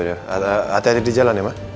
hati hati di jalan ya ma